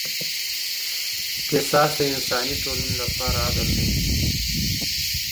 قصاص د انساني ټولني لپاره عدل دی.